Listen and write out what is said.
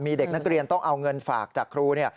มีเด็กนักเรียนต้องเอาเงินฝากจากครูเนี่ย